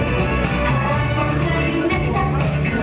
ลองไปกับเสียงกัน